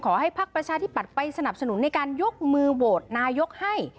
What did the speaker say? ภักดิ์ประชาธิปัตย์ไปสนับสนุนในการยกมือโหวตนายกให้